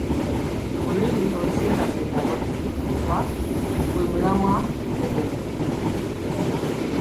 Olulimi olusendasenda abaguzi kuba gwe mulamwa gwo omukulu.